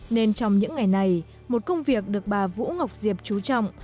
nên trong những ngày này một công việc được bà vũ ngọc diệp trú trọng